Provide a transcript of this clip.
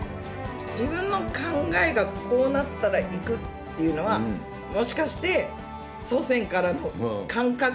自分の考えがこうなったらいくっていうのはもしかして、祖先からの感覚。